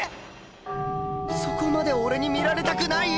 そこまで俺に見られたくない？